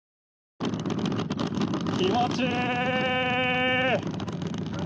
気持ちいい！